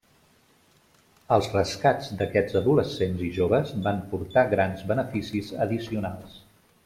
Els rescats d'aquests adolescents i joves van portar grans beneficis addicionals.